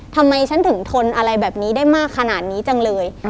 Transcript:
ทำไมฉันถึงทนอะไรแบบนี้ได้มากขนาดนี้จังเลย